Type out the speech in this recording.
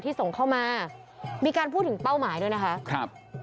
ส่งเข้ามามีการพูดถึงเป้าหมายด้วยนะคะครับ